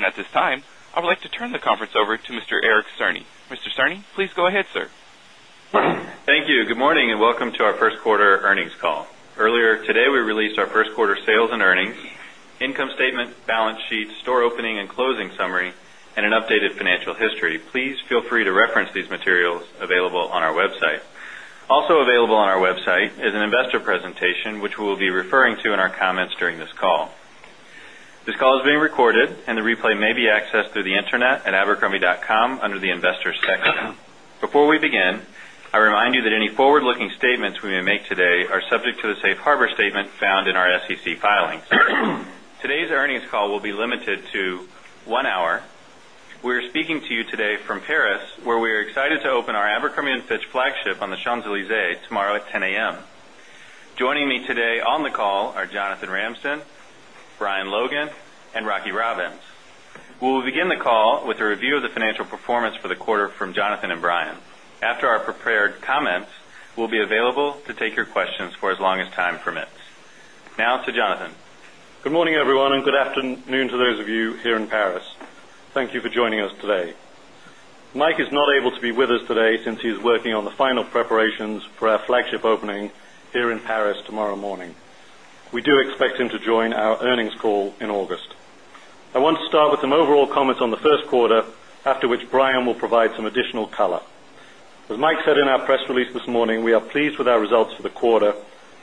At this time, I would like to turn the conference over to Mr. Eric Cerny. Mr. Cerny, please go ahead, sir. Thank you. Good morning and welcome to our first quarter earnings call. Earlier today, we released our first quarter sales and earnings, income statement, balance sheet, store opening and closing summary, and an updated financial history. Please feel free to reference these materials available on our website. Also available on our website is an investor presentation, which we will be referring to in our comments during this call. This call is being recorded, and the replay may be accessed through the intranet at abercrombie.com under the Investors section. Before we begin, I remind you that any forward-looking statements we may make today are subject to the Safe Harbor statement found in our SEC filings. Today's earnings call will be limited to one hour. We are speaking to you today from Paris, where we are excited to open our Abercrombie & Fitch flagship on the Champs-Élysées tomorrow at 10:00 A.M. Joining me today on the call are Jonathan Ramsden, Brian Logan, and Rocky Robbins. We will begin the call with a review of the financial performance for the quarter from Jonathan and Brian. After our prepared comments, we will be available to take your questions for as long as time permits. Now to Jonathan. Good morning, everyone, and good afternoon to those of you here in Paris. Thank you for joining us today. Mike is not able to be with us today since he is working on the final preparations for our flagship opening here in Paris tomorrow morning. We do expect him to join our earnings call in August. I want to start with some overall comments on the first quarter, after which Brian will provide some additional color. As Mike said in our press release this morning, we are pleased with our results for the quarter,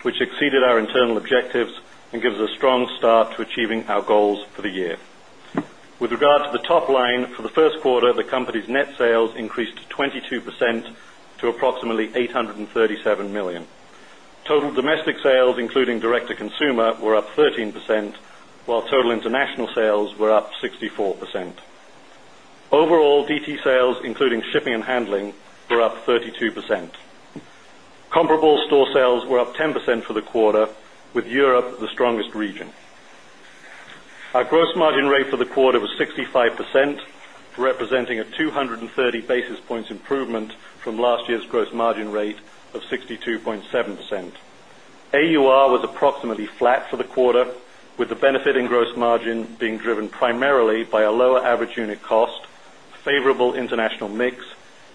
which exceeded our internal objectives and gives a strong start to achieving our goals for the year. With regard to the top line for the first quarter, the company's net sales increased 22% to approximately $837 million. Total domestic sales, including direct-to-consumer, were up 13%, while total international sales were up 64%. Overall, DTC sales, including shipping and handling, were up 32%. Comparable store sales were up 10% for the quarter, with Europe the strongest region. Our gross margin rate for the quarter was 65%, representing a 230 basis points improvement from last year's gross margin rate of 62.7%. AUR was approximately flat for the quarter, with the benefit in gross margin being driven primarily by a lower average unit cost, favorable international mix,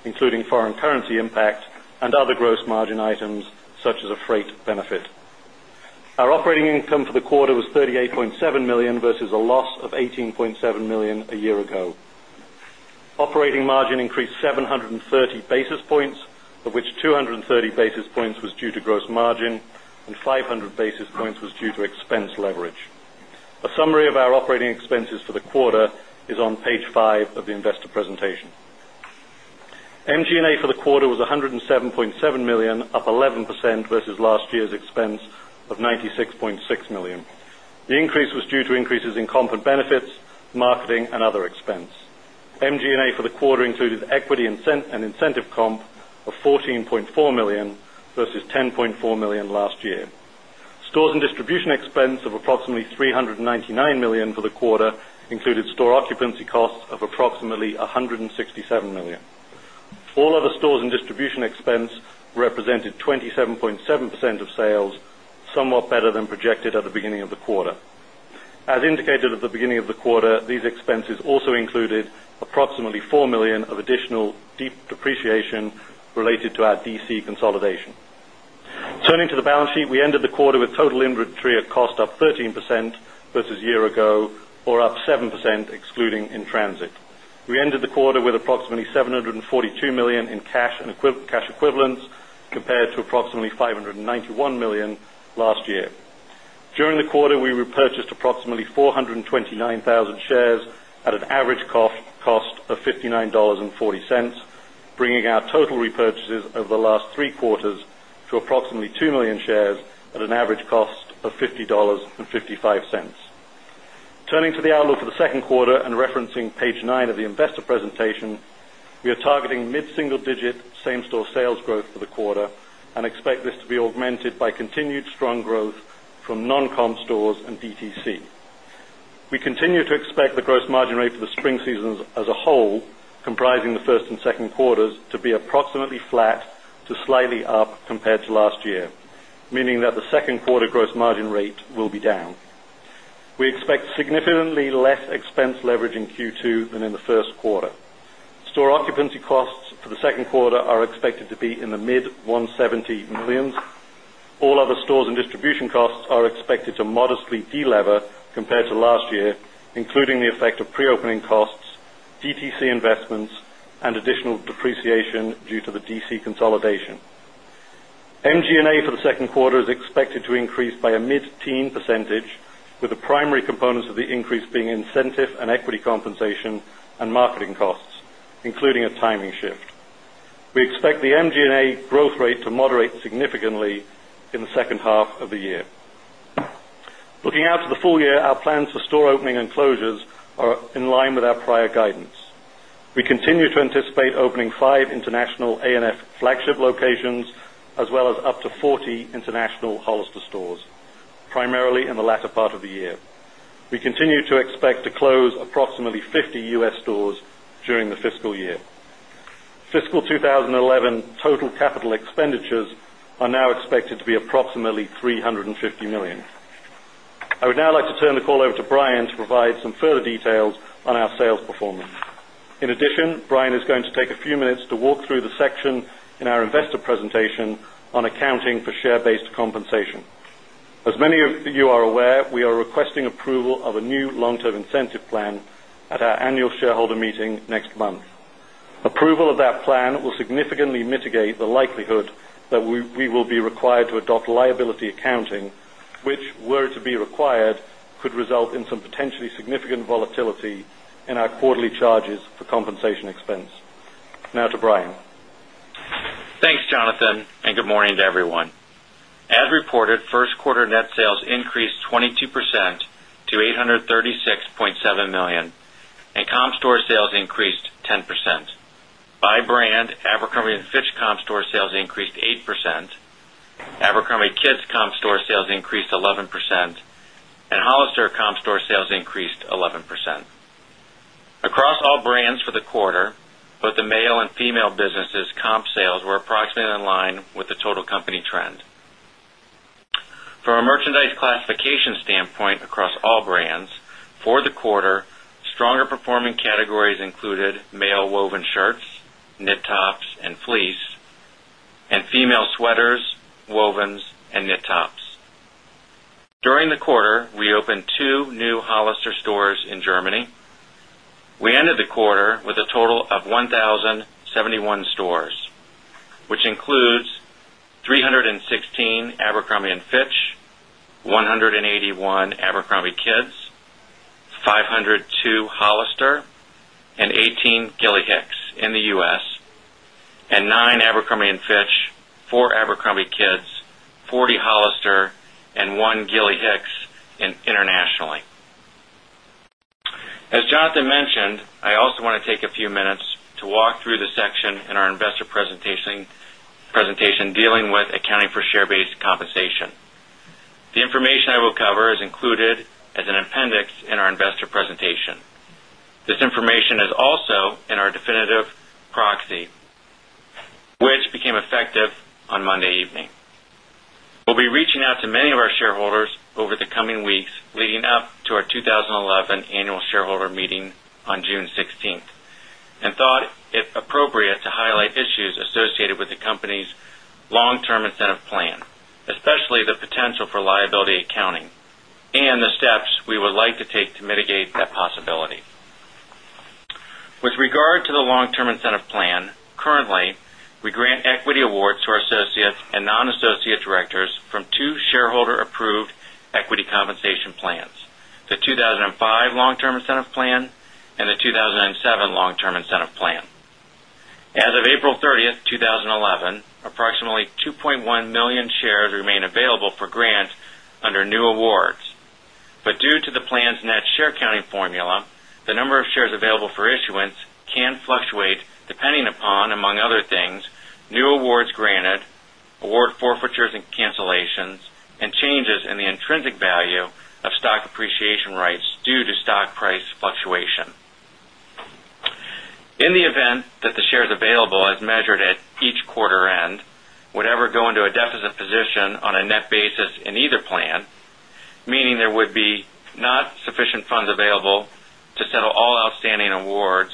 including foreign currency impact, and other gross margin items such as a freight benefit. Our operating income for the quarter was $38.7 million versus a loss of $18.7 million a year ago. Operating margin increased 730 basis points, of which 230 basis points were due to gross margin and 500 basis points were due to expense leverage. A summary of our operating expenses for the quarter is on page five of the investor presentation. MG&A for the quarter was $107.7 million, up 11% versus last year's expense of $96.6 million. The increase was due to increases in comp and benefits, marketing, and other expense. MG&A for the quarter included equity and incentive comp of $14.4 million versus $10.4 million last year. Stores and distribution expense of approximately $399 million for the quarter included store occupancy costs of approximately $167 million. All other stores and distribution expense represented 27.7% of sales, somewhat better than projected at the beginning of the quarter. As indicated at the beginning of the quarter, these expenses also included approximately $4 million of additional depreciation related to our DC consolidation. Turning to the balance sheet, we ended the quarter with total inventory at cost up 13% versus a year ago, or up 7% excluding in transit. We ended the quarter with approximately $742 million in cash and cash equivalents compared to approximately $591 million last year. During the quarter, we repurchased approximately 429,000 shares at an average cost of $59.40, bringing our total repurchases over the last three quarters to approximately 2 million shares at an average cost of $50.55. Turning to the outlook for the second quarter and referencing page nine of the investor presentation, we are targeting mid-single-digit same-store sales growth for the quarter and expect this to be augmented by continued strong growth from non-comp stores and DTC. We continue to expect the gross margin rate for the spring season as a whole, comprising the first and second quarters, to be approximately flat to slightly up compared to last year, meaning that the second quarter gross margin rate will be down. We expect significantly less expense leverage in Q2 than in the first quarter. Store occupancy costs for the second quarter are expected to be in the mid-$170 millions. All other stores and distribution costs are expected to modestly de-lever compared to last year, including the effect of pre-opening costs, DTC investments, and additional depreciation due to the DC consolidation. MG&A for the second quarter is expected to increase by a mid-teen percentage, with the primary components of the increase being incentive and equity compensation and marketing costs, including a timing shift. We expect the MG&A growth rate to moderate significantly in the second half of the year. Looking out to the full year, our plans for store opening and closures are in line with our prior guidance. We continue to anticipate opening five international Abercrombie & Fitch flagship locations, as well as up to 40 international Hollister stores, primarily in the latter part of the year. We continue to expect to close approximately 50 U.S. stores during the fiscal year. Fiscal 2011 total capital expenditures are now expected to be approximately $350 million. I would now like to turn the call over to Brian to provide some further details on our sales performance. In addition, Brian is going to take a few minutes to walk through the section in our investor presentation on accounting for share-based compensation. As many of you are aware, we are requesting approval of a new long-term incentive plan at our annual shareholder meeting next month. Approval of that plan will significantly mitigate the likelihood that we will be required to adopt liability accounting, which, if required, could result in some potentially significant volatility in our quarterly charges for compensation expense. Now to Brian. Thanks, Jonathan, and good morning to everyone. As reported, first quarter net sales increased 22% to $836.7 million, and comp store sales increased 10%. By brand, Abercrombie & Fitch comp store sales increased 8%, Abercrombie Kids comp store sales increased 11%, and Hollister comp store sales increased 11%. Across all brands for the quarter, both the male and female businesses' comp sales were approximately in line with the total company trend. From a merchandise classification standpoint across all brands for the quarter, stronger performing categories included male woven shirts, knit tops, and fleece, and female sweaters, wovens, and knit tops. During the quarter, we opened two new Hollister stores in Germany. We ended the quarter with a total of 1,071 stores, which includes 316 Abercrombie & Fitch, 181 Abercrombie Kids, 502 Hollister, and 18 Gilly Hicks in the U.S., and nine Abercrombie & Fitch, four Abercrombie Kids, 40 Hollister, and one Gilly Hicks internationally. As Jonathan mentioned, I also want to take a few minutes to walk through the section in our investor presentation dealing with accounting for share-based compensation. The information I will cover is included as an appendix in our investor presentation. This information is also in our definitive proxy, which became effective on Monday evening. We'll be reaching out to many of our shareholders over the coming weeks leading up to our 2011 annual shareholder meeting on June 16th and thought it appropriate to highlight issues associated with the company's long-term incentive plan, especially the potential for liability accounting and the steps we would like to take to mitigate that possibility. With regard to the long-term incentive plan, currently, we grant equity awards to our associates and non-associate directors from two shareholder-approved equity compensation plans: the 2005 Long-Term Incentive Plan and the 2007 Long-Term Incentive Plan. As of April 30, 2011, approximately 2.1 million shares remain available for grant under new awards, but due to the plan's net share counting formula, the number of shares available for issuance can fluctuate depending upon, among other things, new awards granted, award forfeitures and cancellations, and changes in the intrinsic value of stock appreciation rights due to stock price fluctuation. In the event that the shares available, as measured at each quarter end, would ever go into a deficit position on a net basis in either plan, meaning there would be not sufficient funds available to settle all outstanding awards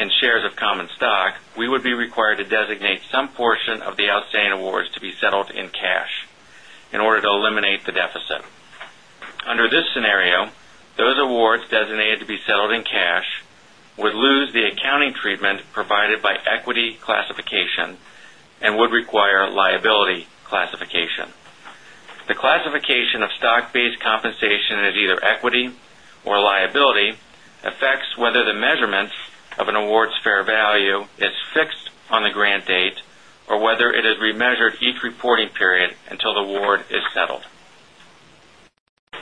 in shares of common stock, we would be required to designate some portion of the outstanding awards to be settled in cash in order to eliminate the deficit. Under this scenario, those awards designated to be settled in cash would lose the accounting treatment provided by equity classification and would require liability classification. The classification of share-based compensation as either equity or liability affects whether the measurements of an award's fair value are fixed on the grant date or whether it is remeasured each reporting period until the award is settled.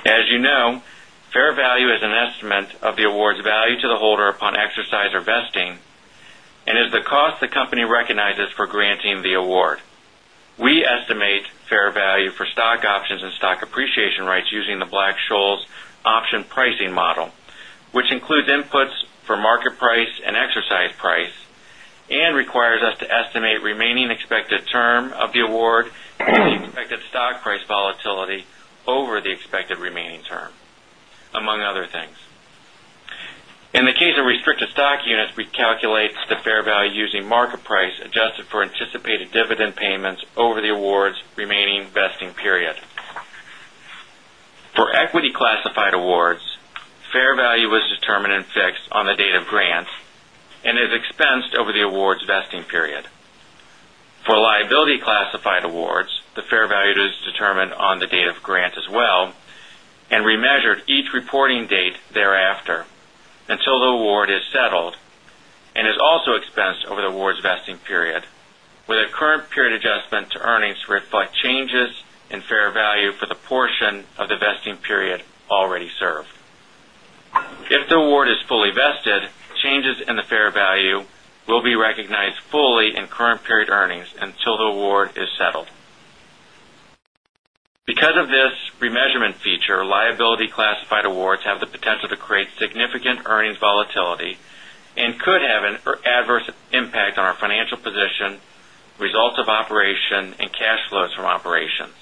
As you know, fair value is an estimate of the award's value to the holder upon exercise or vesting and is the cost the company recognizes for granting the award. We estimate fair value for stock options and stock appreciation rights using the Black-Scholes option pricing model, which includes inputs for market price and exercise price and requires us to estimate remaining expected term of the award and the expected stock price volatility over the expected remaining term, among other things. In the case of restricted stock units, we calculate the fair value using market price adjusted for anticipated dividend payments over the award's remaining vesting period. For equity classified awards, fair value was determined and fixed on the date of grant and is expensed over the award's vesting period. For liability classified awards, the fair value is determined on the date of grant as well and remeasured each reporting date thereafter until the award is settled and is also expensed over the award's vesting period, with a current period adjustment to earnings to reflect changes in fair value for the portion of the vesting period already served. If the award is fully vested, changes in the fair value will be recognized fully in current period earnings until the award is settled. Because of this remeasurement feature, liability classified awards have the potential to create significant earnings volatility and could have an adverse impact on our financial position, results of operation, and cash flows from operations.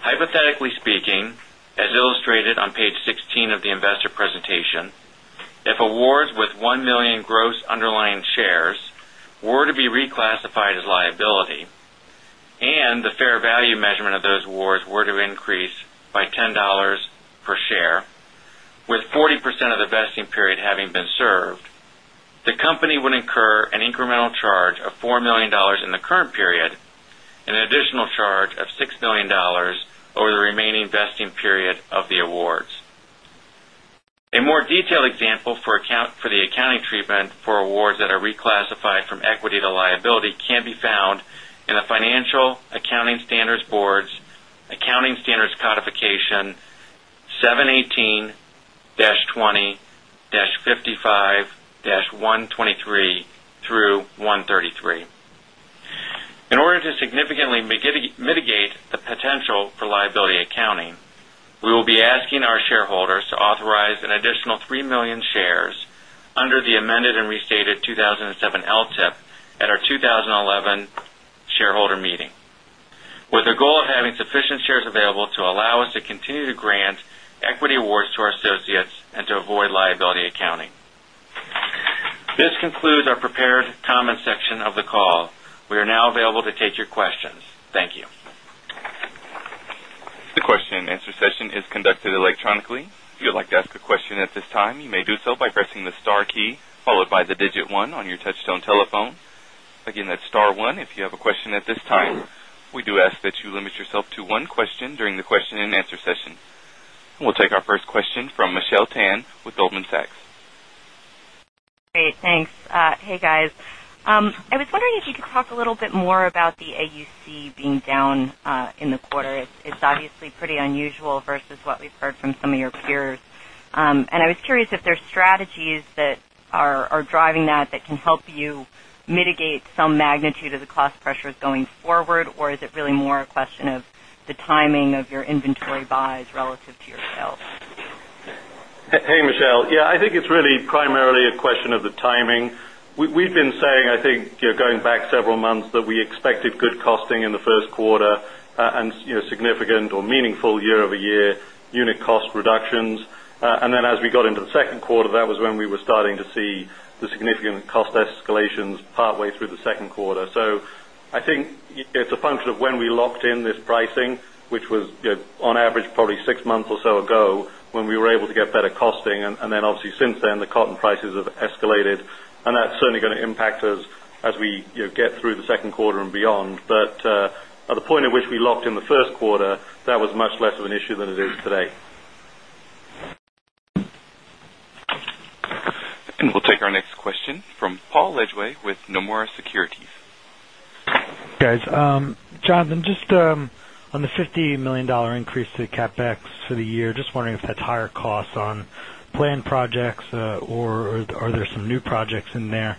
Hypothetically speaking, as illustrated on page 16 of the investor presentation, if awards with 1 million gross underlying shares were to be reclassified as liability and the fair value measurement of those awards were to increase by $10 per share, with 40% of the vesting period having been served, the company would incur an incremental charge of $4 million in the current period and an additional charge of $6 million over the remaining vesting period of the awards. A more detailed example for the accounting treatment for awards that are reclassified from equity to liability can be found in the Financial Accounting Standards Board's Accounting Standards Codification 718-20-55-123 through 133. In order to significantly mitigate the potential for liability accounting, we will be asking our shareholders to authorize an additional 3 million shares under the amended and restated 2007 Long-Term Incentive Plan at our 2011 shareholder meeting, with the goal of having sufficient shares available to allow us to continue to grant equity awards to our associates and to avoid liability accounting. This concludes our prepared comments section of the call. We are now available to take your questions. Thank you. The question and answer session is conducted electronically. If you would like to ask a question at this time, you may do so by pressing the star key followed by the digit one on your touch-tone telephone. Again, that's star one if you have a question at this time. We do ask that you limit yourself to one question during the question and answer session. We'll take our first question from Michelle Tan with Goldman Sachs. Great, thanks. Hey, guys. I was wondering if you could talk a little bit more about the AUC being down in the quarter. It's obviously pretty unusual versus what we've heard from some of your peers. I was curious if there are strategies that are driving that that can help you mitigate some magnitude of the cost pressures going forward, or is it really more a question of the timing of your inventory buys relative to your sales? Hey, Michelle. Yeah, I think it's really primarily a question of the timing. We've been saying, I think, going back several months, that we expected good costing in the first quarter and significant or meaningful year-over-year unit cost reductions. As we got into the second quarter, that was when we were starting to see the significant cost escalations partway through the second quarter. I think it's a function of when we locked in this pricing, which was on average probably six months or so ago when we were able to get better costing. Obviously, since then, the cotton prices have escalated. That's certainly going to impact us as we get through the second quarter and beyond. At the point at which we locked in the first quarter, that was much less of an issue than it is today. We'll take our next question from Paul Lejuez with Nomura Securities. Jonathan, just on the $50 million increase to the CapEx for the year, just wondering if that's higher costs on planned projects or are there some new projects in there?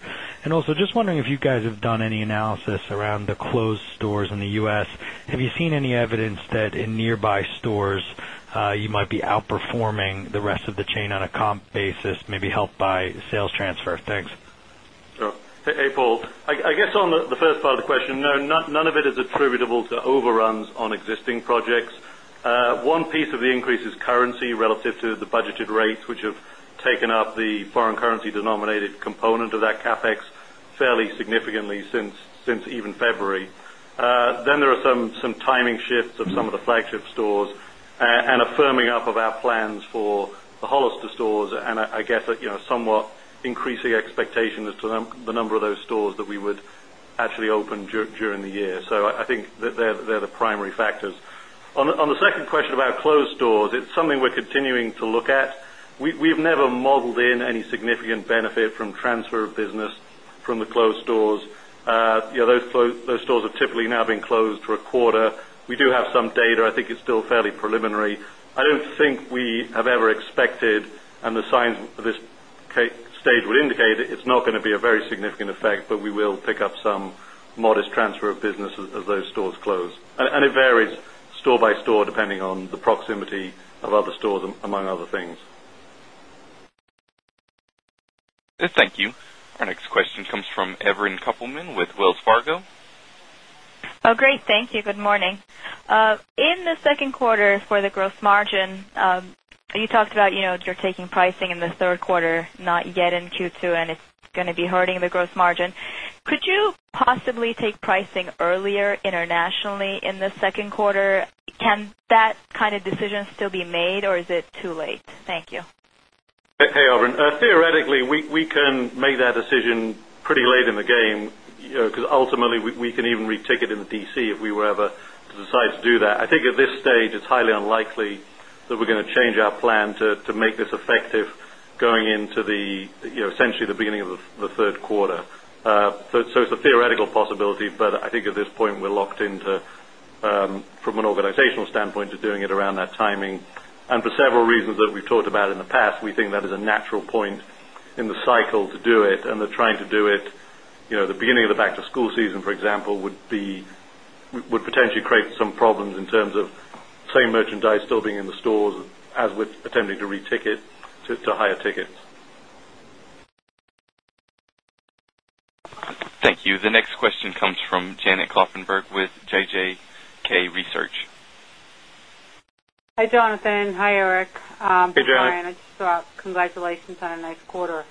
Also, just wondering if you guys have done any analysis around the closed stores in the U.S. Have you seen any evidence that in nearby stores you might be outperforming the rest of the chain on a comp basis, maybe helped by sales transfer? Thanks. Hey, Paul. On the first part of the question, no, none of it is attributable to overruns on existing projects. One piece of the increase is currency relative to the budgeted rates, which have taken up the foreign currency denominated component of that CapEx fairly significantly since even February. There are some timing shifts of some of the flagship stores and a firming up of our plans for the Hollister stores and somewhat increasing expectations to the number of those stores that we would actually open during the year. I think that they're the primary factors. On the second question about closed stores, it's something we're continuing to look at. We've never modeled in any significant benefit from transfer of business from the closed stores. Those stores have typically now been closed for a quarter. We do have some data. I think it's still fairly preliminary. I don't think we have ever expected, and the signs at this stage would indicate it's not going to be a very significant effect, but we will pick up some modest transfer of business as those stores close. It varies store by store depending on the proximity of other stores, among other things. Thank you. Our next question comes from [Evren Kopelman] with Wells Fargo. Oh, great. Thank you. Good morning. In the second quarter for the gross margin, you talked about you're taking pricing in the third quarter, not yet in Q2, and it's going to be hurting the gross margin. Could you possibly take pricing earlier internationally in the second quarter? Can that kind of decision still be made, or is it too late? Thank you. Hey, Evren. Theoretically, we can make that decision pretty late in the game because ultimately we can even reticket in the DC if we were ever to decide to do that. I think at this stage, it's highly unlikely that we're going to change our plan to make this effective going into essentially the beginning of the third quarter. It's a theoretical possibility, but I think at this point we're locked into from an organizational standpoint to doing it around that timing. For several reasons that we've talked about in the past, we think that is a natural point in the cycle to do it. Trying to do it at the beginning of the back-to-school season, for example, would potentially create some problems in terms of, say, merchandise still being in the stores as we're attempting to reticket to higher tickets. Thank you. The next question comes from Janet Kloppenburg with JJK Research Associates. Hi, Jonathan. Hi, Eric. Hey, Janet. Sorry, I just thought congratulations on a nice quarter.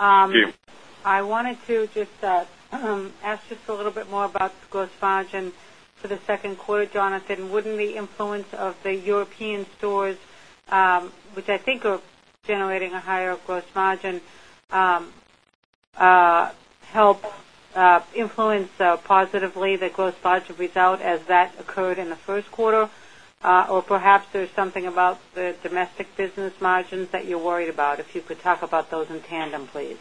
You too. I wanted to just ask just a little bit more about the gross margin for the second quarter, Jonathan. Wouldn't the influence of the European stores, which I think are generating a higher gross margin, help influence positively the gross margin result as that occurred in the first quarter? Or perhaps there's something about the domestic business margins that you're worried about? If you could talk about those in tandem, please.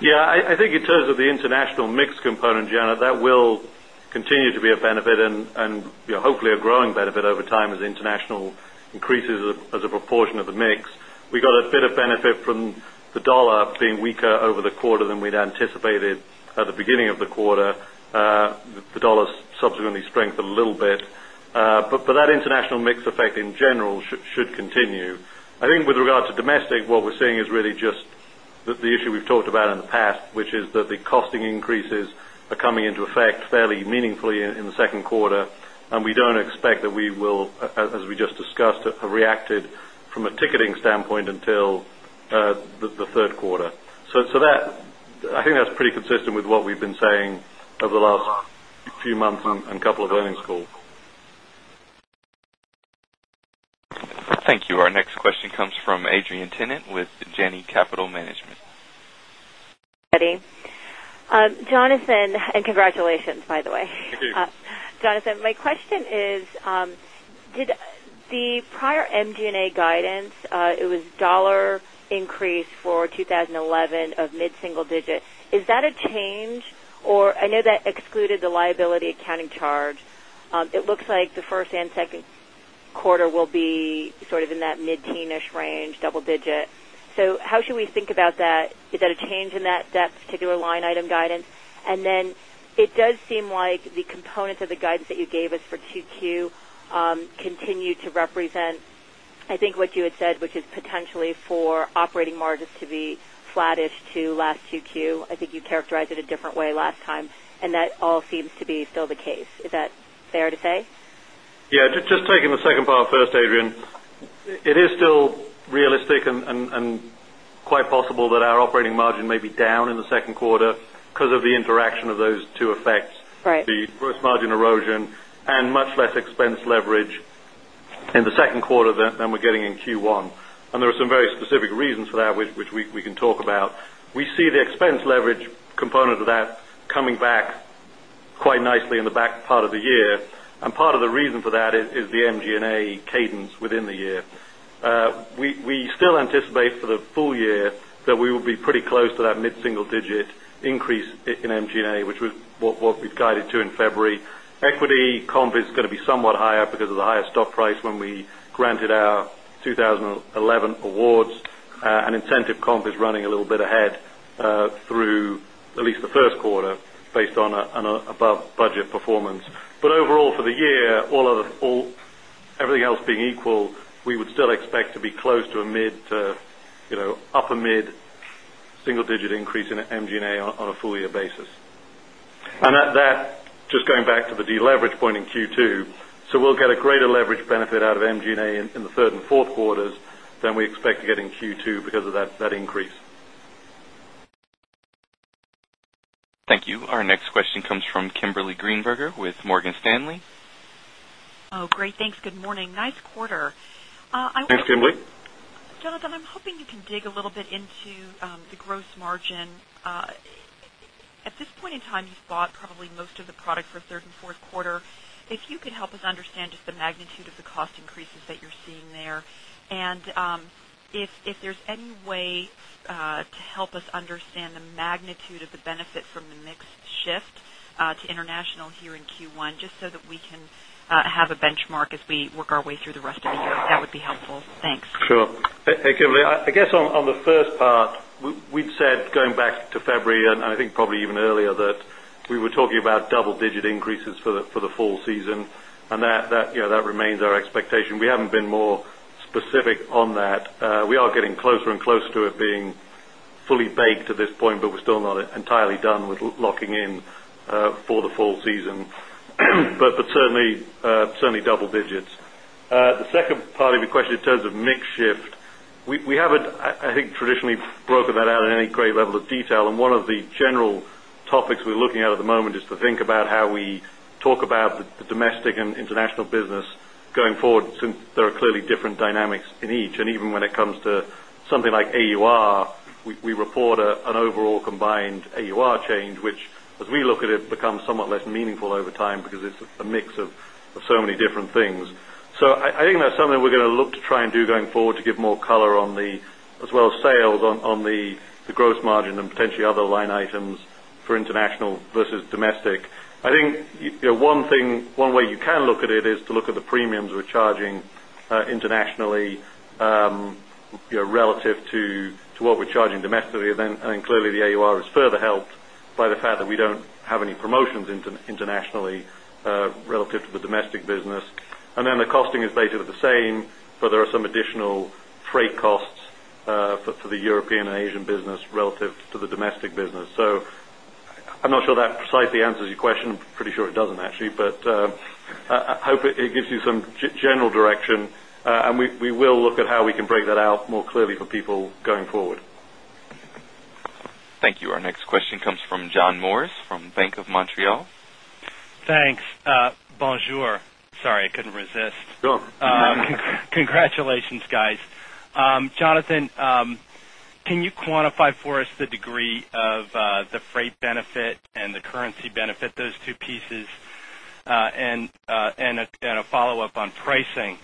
Yeah, I think in terms of the international mix component, Janet, that will continue to be a benefit and hopefully a growing benefit over time as the international increases as a proportion of the mix. We got a bit of benefit from the dollar being weaker over the quarter than we'd anticipated at the beginning of the quarter. The dollar's subsequently strengthened a little bit. That international mix effect in general should continue. I think with regard to domestic, what we're seeing is really just the issue we've talked about in the past, which is that the costing increases are coming into effect fairly meaningfully in the second quarter. We don't expect that we will, as we just discussed, have reacted from a ticketing standpoint until the third quarter. I think that's pretty consistent with what we've been saying over the last few months and a couple of earnings calls. Thank you. Our next question comes from Adrienne Tennant with Janney Capital Management. Jonathan, and congratulations, by the way. Thank you. Jonathan, my question is, did the prior MG&A guidance, it was a dollar increase for 2011 of mid-single digits, is that a change? I know that excluded the liability accounting charge. It looks like the first and second quarter will be sort of in that mid-teenish range, double digit. How should we think about that? Is that a change in that particular line item guidance? It does seem like the components of the guidance that you gave us for Q2 continue to represent, I think, what you had said, which is potentially for operating margins to be flattish to last Q2. I think you characterized it a different way last time. That all seems to be still the case. Is that fair to say? Yeah, just taking the second part first, Adrienne, it is still realistic and quite possible that our operating margin may be down in the second quarter because of the interaction of those two effects, the gross margin erosion and much less expense leverage in the second quarter than we're getting in Q1. There are some very specific reasons for that, which we can talk about. We see the expense leverage component of that coming back quite nicely in the back part of the year. Part of the reason for that is the MG&A cadence within the year. We still anticipate for the full year that we will be pretty close to that mid-single digit increase in MG&A, which is what we've guided to in February. Equity comp is going to be somewhat higher because of the higher stock price when we granted our 2011 awards. Incentive comp is running a little bit ahead through at least the first quarter based on an above-budget performance. Overall, for the year, all everything else being equal, we would still expect to be close to a mid to upper mid-single digit increase in MG&A on a full-year basis. That just going back to the de-leverage point in Q2. We'll get a greater leverage benefit out of MG&A in the third and fourth quarters than we expect to get in Q2 because of that increase. Thank you. Our next question comes from Kimberly Greenberger with Morgan Stanley. Oh, great. Thanks. Good morning. Nice quarter. Thanks, Kimberly. Jonathan, I'm hoping you can dig a little bit into the gross margin. At this point in time, you've bought probably most of the product for third and fourth quarter. If you could help us understand just the magnitude of the cost increases that you're seeing there, if there's any way to help us understand the magnitude of the benefit from the mixed shift to international here in Q1, just so that we can have a benchmark as we work our way through the rest of the year, that would be helpful. Thanks. Sure. Hey, Kimberly. I guess on the first part, we'd said going back to February, and I think probably even earlier, that we were talking about double-digit increases for the fall season. That remains our expectation. We haven't been more specific on that. We are getting closer and closer to it being fully baked at this point, but we're still not entirely done with locking in for the fall season. Certainly, double digits. The second part of your question in terms of mix shift, we haven't, I think, traditionally broken that out in any great level of detail. One of the general topics we're looking at at the moment is to think about how we talk about the domestic and international business going forward since there are clearly different dynamics in each. Even when it comes to something like AUR, we report an overall combined AUR change, which, as we look at it, becomes somewhat less meaningful over time because it's a mix of so many different things. I think that's something we're going to look to try and do going forward to give more color on the sales, on the gross margin, and potentially other line items for international versus domestic. I think one way you can look at it is to look at the premiums we're charging internationally relative to what we're charging domestically. Clearly, the AUR is further helped by the fact that we don't have any promotions internationally relative to the domestic business. The costing is basically the same, but there are some additional freight costs for the European and Asian business relative to the domestic business. I'm not sure that precisely answers your question. I'm pretty sure it doesn't, actually. I hope it gives you some general direction. We will look at how we can break that out more clearly for people going forward. Thank you. Our next question comes from John Morris from Bank of Montreal. Thanks. Bonjour. Sorry, I couldn't resist. Sure. Congratulations, guys. Jonathan, can you quantify for us the degree of the freight benefit and the currency benefit, those two pieces, and a follow-up on pricing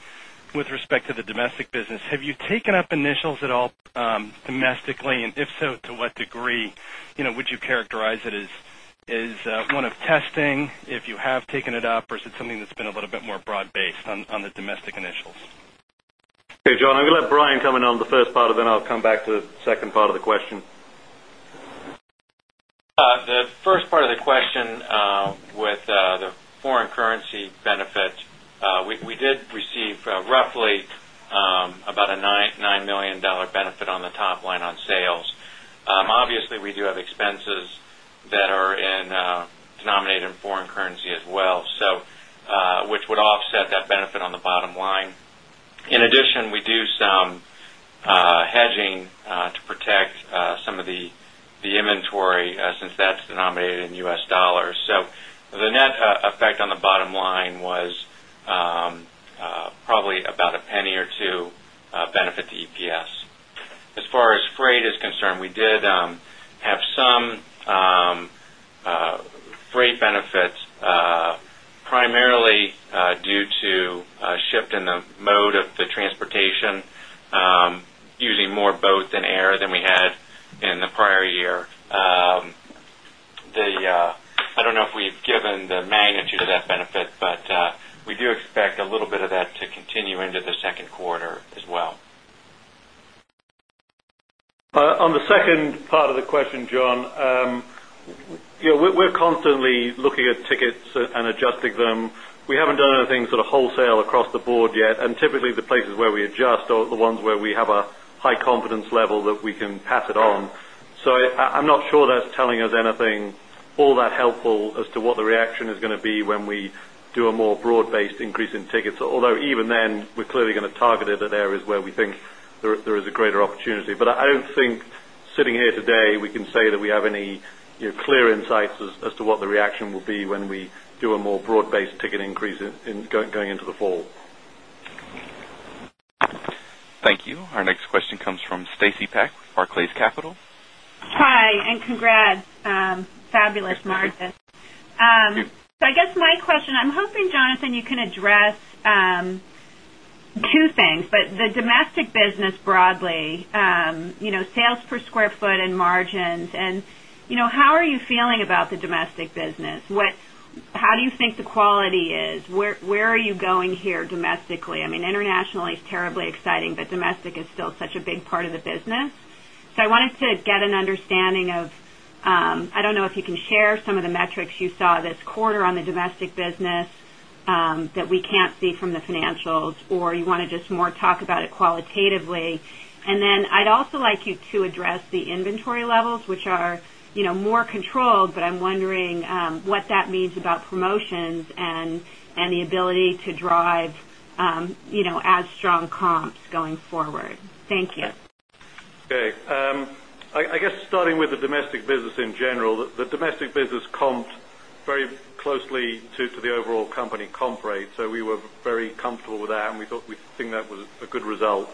with respect to the domestic business? Have you taken up initials at all domestically? If so, to what degree? Would you characterize it as one of testing if you have taken it up, or is it something that's been a little bit more broad-based on the domestic initials? Hey, John. I'm going to let Brian come in on the first part, and then I'll come back to the second part of the question. The first part of the question with the foreign currency benefit, we did receive roughly about a $9 million benefit on the top line on sales. Obviously, we do have expenses that are denominated in foreign currency as well, which would offset that benefit on the bottom line. In addition, we do some hedging to protect some of the inventory since that's denominated in U.S. dollars. The net effect on the bottom line was probably about a penny or two benefit to EPS. As far as freight is concerned, we did have some freight benefits, primarily due to a shift in the mode of the transportation, using more boat than air than we had in the prior year. I don't know if we've given the magnitude of that benefit, but we do expect a little bit of that to continue into the second quarter as well. On the second part of the question, John, we're constantly looking at tickets and adjusting them. We haven't done anything sort of wholesale across the board yet. Typically, the places where we adjust are the ones where we have a high confidence level that we can pass it on. I'm not sure that's telling us anything all that helpful as to what the reaction is going to be when we do a more broad-based increase in tickets. Although even then, we're clearly going to target it at areas where we think there is a greater opportunity. I don't think sitting here today we can say that we have any clear insights as to what the reaction will be when we do a more broad-based ticket increase going into the fall. Thank you. Our next question comes from Stacy Pak of Barclays Capital. Hi, and congrats. Fabulous margins. Thank you. I guess my question, I'm hoping, Jonathan, you can address two things. The domestic business broadly, you know, sales per square foot and margins, and you know, how are you feeling about the domestic business? How do you think the quality is? Where are you going here domestically? Internationally is terribly exciting, but domestic is still such a big part of the business. I wanted to get an understanding of, I don't know if you can share some of the metrics you saw this quarter on the domestic business that we can't see from the financials, or you want to just more talk about it qualitatively. I'd also like you to address the inventory levels, which are, you know, more controlled, but I'm wondering what that means about promotions and the ability to drive, you know, as strong comps going forward. Thank you. Okay. I guess starting with the domestic business in general, the domestic business comped very closely to the overall company comp rate. We were very comfortable with that, and we think that was a good result.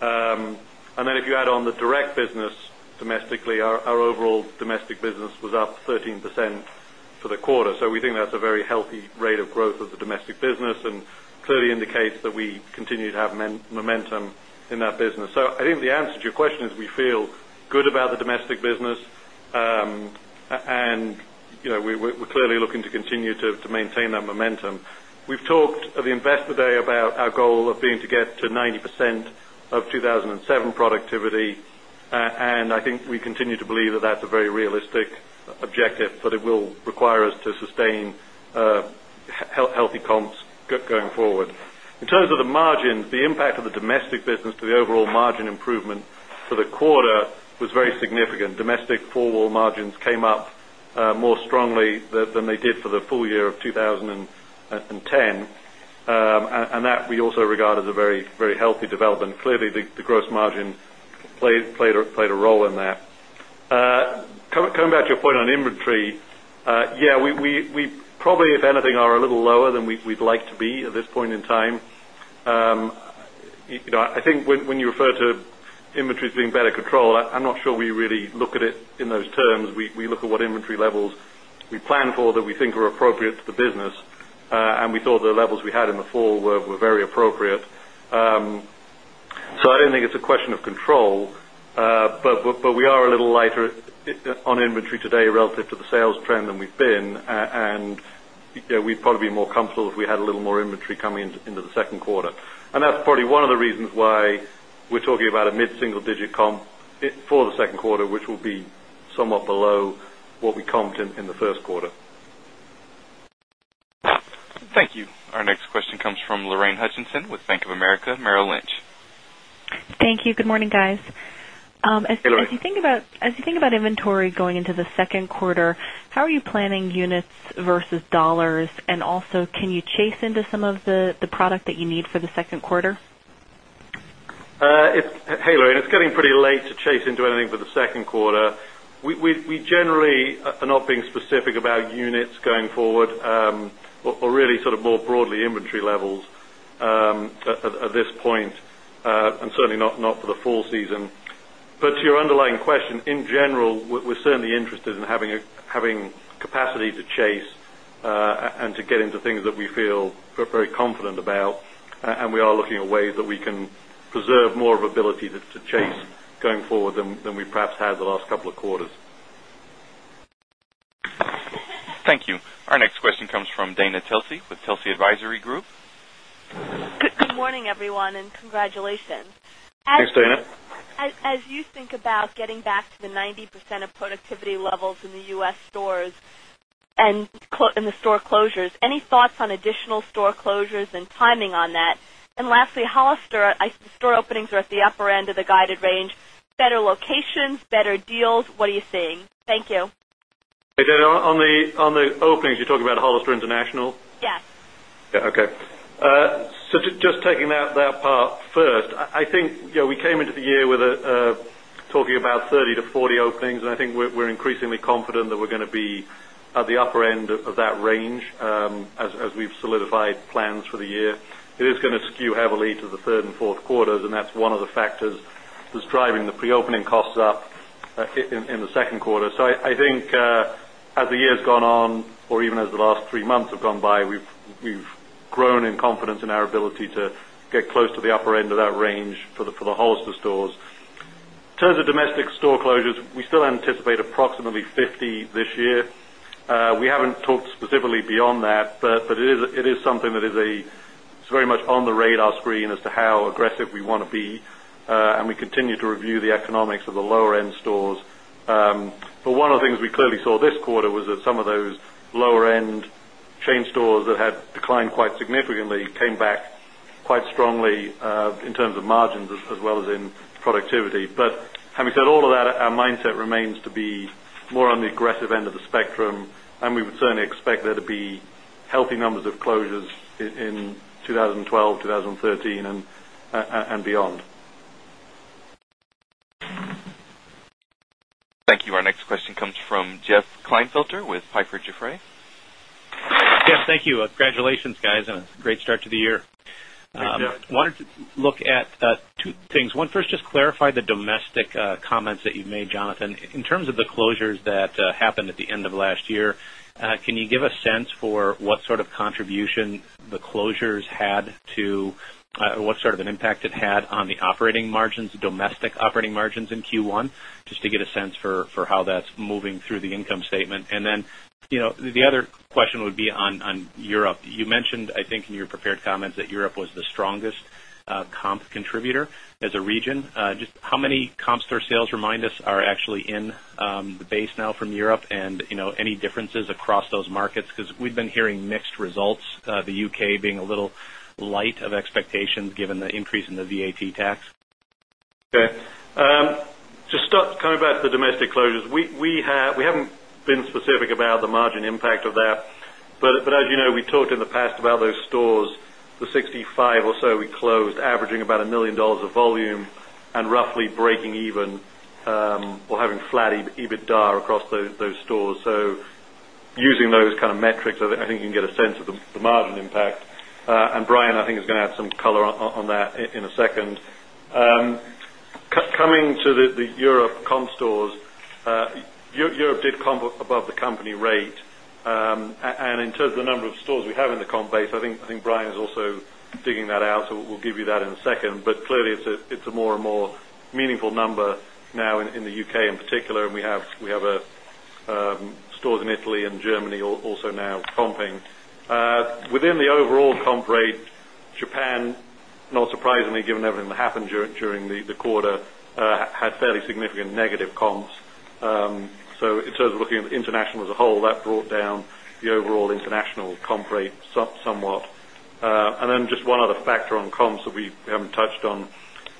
If you add on the direct business domestically, our overall domestic business was up 13% for the quarter. We think that's a very healthy rate of growth of the domestic business and clearly indicates that we continue to have momentum in that business. I think the answer to your question is we feel good about the domestic business, and we're clearly looking to continue to maintain that momentum. We've talked at the investor day about our goal of being to get to 90% of 2007 productivity, and I think we continue to believe that that's a very realistic objective, but it will require us to sustain healthy comps going forward. In terms of the margins, the impact of the domestic business to the overall margin improvement for the quarter was very significant. Domestic four-wall margins came up more strongly than they did for the full year of 2010. We also regard that as a very, very healthy development. Clearly, the gross margin played a role in that. Coming back to your point on inventory, we probably, if anything, are a little lower than we'd like to be at this point in time. I think when you refer to inventories being better controlled, I'm not sure we really look at it in those terms. We look at what inventory levels we plan for that we think are appropriate to the business. We thought the levels we had in the fall were very appropriate. I don't think it's a question of control, but we are a little lighter on inventory today relative to the sales trend than we've been. We'd probably be more comfortable if we had a little more inventory coming into the second quarter. That's probably one of the reasons why we're talking about a mid-single-digit comp for the second quarter, which will be somewhat below what we comped in the first quarter. Thank you. Our next question comes from Lorraine Hutchinson with Bank of America Merrill Lynch. Thank you. Good morning, guys. Hello. As you think about inventory going into the second quarter, how are you planning units versus dollars? Also, can you chase into some of the product that you need for the second quarter? Hey, Lorraine. It's getting pretty late to chase into anything for the second quarter. We generally are not being specific about units going forward or really more broadly inventory levels at this point, certainly not for the fall season. To your underlying question, in general, we're certainly interested in having capacity to chase and to get into things that we feel very confident about. We are looking at ways that we can preserve more of ability to chase going forward than we perhaps had the last couple of quarters. Thank you. Our next question comes from Dana Telsey with Telsey Advisory Group. Good morning, everyone, and congratulations. Thanks, Dana. As you think about getting back to the 90% of productivity levels in the U.S. stores and the store closures, any thoughts on additional store closures and timing on that? Lastly, Hollister, the store openings are at the upper end of the guided range. Better locations, better deals, what are you seeing? Thank you. Hey, Dana. On the openings, you're talking about Hollister International? Yeah. Yeah, okay. Just taking that part first, I think we came into the year with talking about 30 to 40 openings. I think we're increasingly confident that we're going to be at the upper end of that range as we've solidified plans for the year. It is going to skew heavily to the third and fourth quarters, and that's one of the factors that's driving the pre-opening costs up in the second quarter. I think as the year has gone on or even as the last three months have gone by, we've grown in confidence in our ability to get close to the upper end of that range for the Hollister stores. In terms of domestic store closures, we still anticipate approximately 50 this year. We haven't talked specifically beyond that, but it is something that is very much on the radar screen as to how aggressive we want to be. We continue to review the economics of the lower-end stores. One of the things we clearly saw this quarter was that some of those lower-end chain stores that had declined quite significantly came back quite strongly in terms of margins as well as in productivity. Having said all of that, our mindset remains to be more on the aggressive end of the spectrum. We would certainly expect there to be healthy numbers of closures in 2012, 2013, and beyond. Thank you. Our next question comes from Jeff Klinefelter with Piper Jaffray. Thank you. Congratulations, guys, and a great start to the year. Thanks, Jeff. I wanted to look at two things. One, first, just clarify the domestic comments that you made, Jonathan. In terms of the closures that happened at the end of last year, can you give a sense for what sort of contribution the closures had to or what sort of an impact it had on the operating margins, domestic operating margins in Q1? Just to get a sense for how that's moving through the income statement. The other question would be on Europe. You mentioned, I think, in your prepared comments that Europe was the strongest comp contributor as a region. Just how many comparable store sales, remind us, are actually in the base now from Europe and any differences across those markets? We've been hearing mixed results, the UK being a little light of expectations given the increase in the VAT tax. Okay. Just coming back to the domestic closures, we haven't been specific about the margin impact of that. As you know, we talked in the past about those stores, the 65 or so we closed, averaging about $1 million of volume and roughly breaking even or having flat EBITDA across those stores. Using those kind of metrics, I think you can get a sense of the margin impact. Brian, I think, is going to add some color on that in a second. Coming to the Europe comp stores, Europe did comp above the company rate. In terms of the number of stores we have in the comp base, I think Brian is also digging that out. We'll give you that in a second. Clearly, it's a more and more meaningful number now in the UK in particular. We have stores in Italy and Germany also now comping. Within the overall comp rate, Japan, not surprisingly, given everything that happened during the quarter, had fairly significant negative comps. In terms of looking at the international as a whole, that brought down the overall international comp rate somewhat. Just one other factor on comps that we haven't touched on.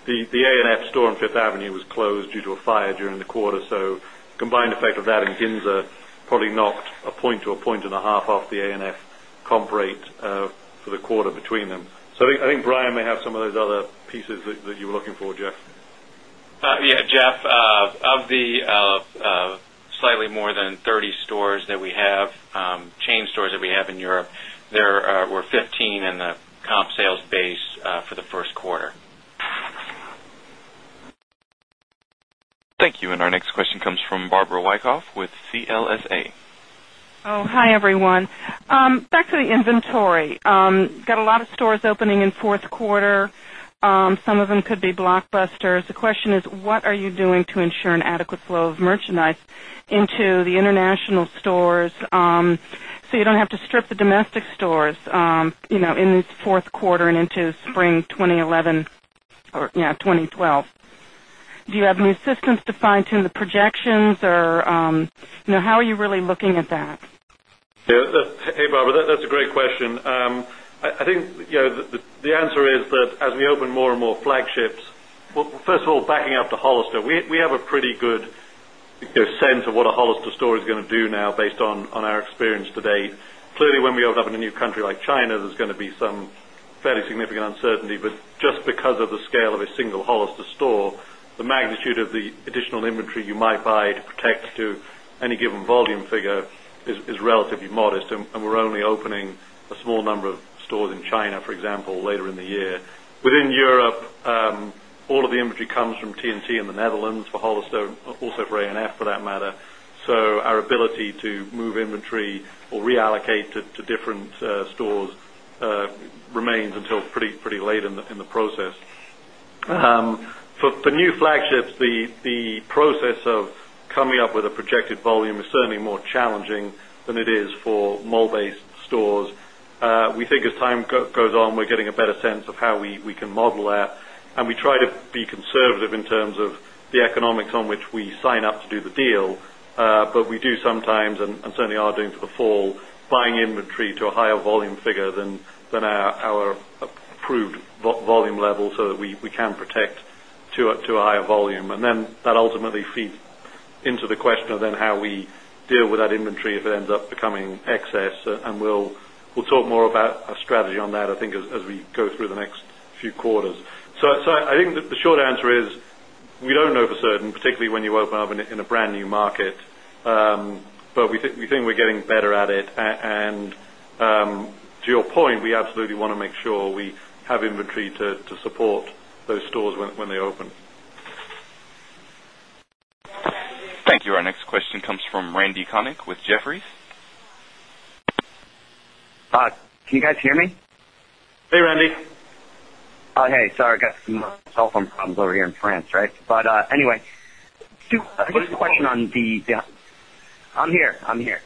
The A&F store on Fifth Avenue was closed due to a fire during the quarter. The combined effect of that in Ginza probably knocked a point to a point and a half off the A&F comp rate for the quarter between them. I think Brian may have some of those other pieces that you were looking for, Jeff. Yeah, Jeff. Of the slightly more than 30 stores that we have, chain stores that we have in Europe, there were 15 in the comp sales base for the first quarter. Thank you. Our next question comes from Barbara Wyckoff with CLSA. Oh, hi, everyone. Back to the inventory. Got a lot of stores opening in the fourth quarter. Some of them could be blockbusters. The question is, what are you doing to ensure an adequate flow of merchandise into the international stores so you don't have to strip the domestic stores in this fourth quarter and into spring 2011 or, yeah, 2012? Do you have new systems to fine-tune the projections, or how are you really looking at that? Hey, Barbara. That's a great question. I think the answer is that as we open more and more flagships, first of all, backing up to Hollister, we have a pretty good sense of what a Hollister store is going to do now based on our experience to date. Clearly, when we open up in a new country like China, there's going to be some fairly significant uncertainty. Just because of the scale of a single Hollister store, the magnitude of the additional inventory you might buy to protect to any given volume figure is relatively modest. We're only opening a small number of stores in China, for example, later in the year. Within Europe, all of the inventory comes from TNC in the Netherlands for Hollister, also for Abercrombie & Fitch for that matter. Our ability to move inventory or reallocate to different stores remains until pretty late in the process. For new flagships, the process of coming up with a projected volume is certainly more challenging than it is for mall-based stores. We think as time goes on, we're getting a better sense of how we can model that. We try to be conservative in terms of the economics on which we sign up to do the deal. We do sometimes, and certainly are doing for the fall, buying inventory to a higher volume figure than our approved volume level so that we can protect to a higher volume. That ultimately feeds into the question of how we deal with that inventory if it ends up becoming excess. We'll talk more about a strategy on that, I think, as we go through the next few quarters. I think that the short answer is we don't know for certain, particularly when you open up in a brand new market. We think we're getting better at it. To your point, we absolutely want to make sure we have inventory to support those stores when they open. Thank you. Our next question comes from Randy Konik with Jefferies. Can you guys hear me? Hey, Randy. Oh, hey. Sorry, I got some cell phone problems over here in France, right? Anyway, what is your question on the? I'm here. I'm here.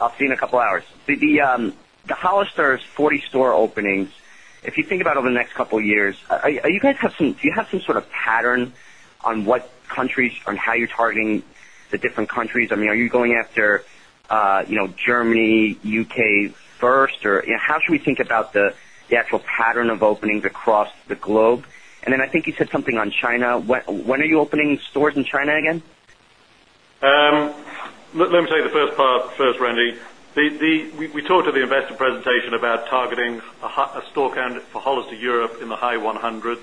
I'll see you in a couple of hours. The Hollister 40 store openings, if you think about over the next couple of years, do you guys have some sort of pattern on what countries and how you're targeting the different countries? I mean, are you going after Germany, UK first, or how should we think about the actual pattern of openings across the globe? I think you said something on China. When are you opening stores in China again? Let me tell you the first part first, Randy. We talked at the investor presentation about targeting a store candidate for Hollister Europe in the high 100s.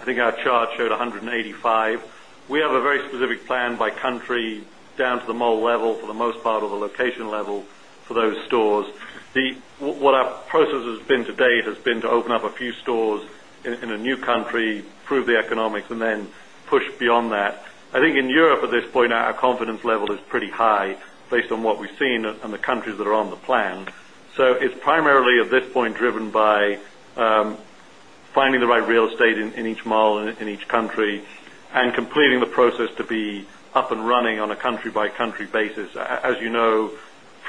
I think our chart showed 185. We have a very specific plan by country down to the mall level for the most part or the location level for those stores. What our process has been to date has been to open up a few stores in a new country, prove the economics, and then push beyond that. I think in Europe at this point, our confidence level is pretty high based on what we've seen and the countries that are on the plan. It is primarily at this point driven by finding the right real estate in each mall in each country and completing the process to be up and running on a country-by-country basis. As you know,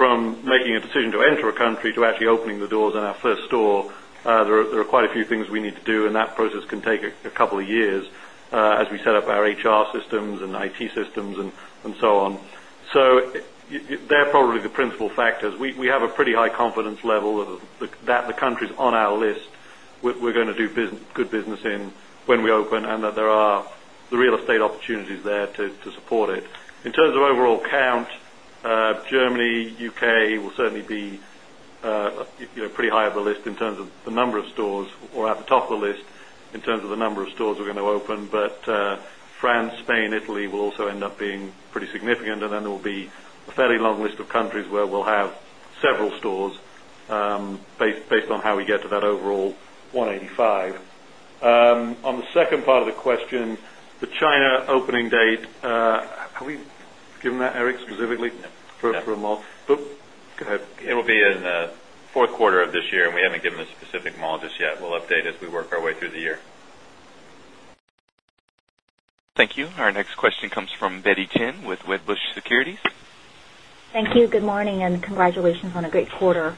from making a decision to enter a country to actually opening the doors on our first store, there are quite a few things we need to do. That process can take a couple of years as we set up our HR systems and IT systems and so on. They are probably the principal factors. We have a pretty high confidence level that the countries on our list, we're going to do good business in when we open, and that there are the real estate opportunities there to support it. In terms of overall count, Germany, UK will certainly be pretty high on the list in terms of the number of stores or at the top of the list in terms of the number of stores we're going to open. France, Spain, Italy will also end up being pretty significant. There will be a fairly long list of countries where we'll have several stores based on how we get to that overall 185. On the second part of the question, the China opening date, have we given that, Eric, specifically for a mall? Go ahead. It'll be in the fourth quarter of this year, and we haven't given a specific mall just yet. We'll update as we work our way through the year. Thank you. Our next question comes from Betty Chen with Wedbush Securities. Thank you. Good morning and congratulations on a great quarter.